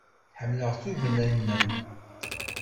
Ḥemmleɣ tugna-nnem.